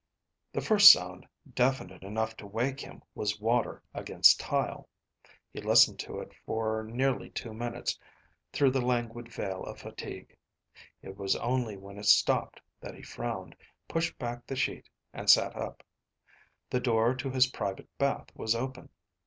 The first sound definite enough to wake him was water against tile. He listened to it for nearly two minutes through the languid veil of fatigue. It was only when it stopped that he frowned, pushed back the sheet, and sat up. The door to his private bath was open.